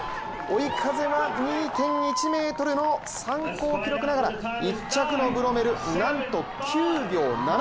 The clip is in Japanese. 追い風は２．１メートルの参考記録ながら１着のブロメル、なんと９秒７５。